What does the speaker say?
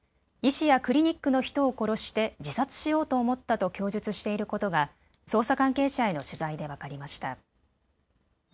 医師やクリニックの人を殺して自殺しようと思ったと供述していることが捜査関係者への取材で分かりました。